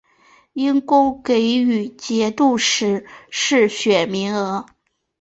因功给予节度使世选名额。